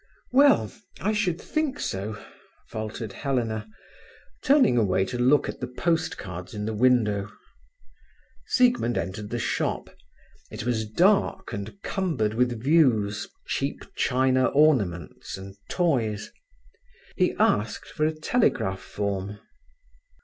"Well, I should think so," faltered Helena, turning away to look at the postcards in the window. Siegmund entered the shop. It was dark and cumbered with views, cheap china ornaments, and toys. He asked for a telegraph form.